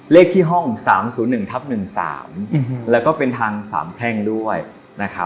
เลขที่ห้อง๓๐๑ทับ๑๓แล้วก็เป็นทางสามแพร่งด้วยนะครับ